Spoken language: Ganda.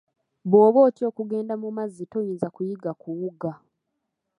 Bw'oba otya okugenda mu mazzi toyinza kuyiga kuwuga.